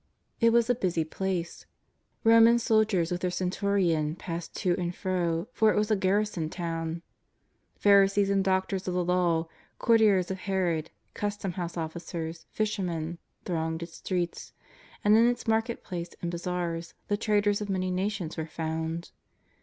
'' It was a busy place. Roman soldiers with their centurion passed to and fro, for it was a garrison to^vn. Pharisees and Doctors of the Law, courtiers of Herod, custom house officers, fisher men, thronged its streets; and in its market place and bazaars the traders of many nations were found.